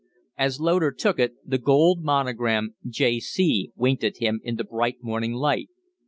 As Loder took it, the gold monogram "J.C." winked at him in the bright morning light.